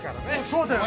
◆そうだよね。